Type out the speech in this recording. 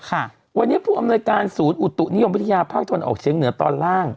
ค่ะวันนี้ผู้อำนวยการศูนย์อุตุนิยมวิทยาภาคตะวันออกเชียงเหนือตอนล่าง